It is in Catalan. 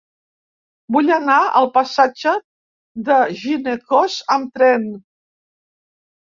Vull anar al passatge de Ginecòs amb tren.